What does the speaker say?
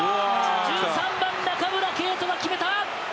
１３番中村敬斗が決めた！